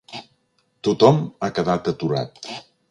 Tothom ha quedat aturat.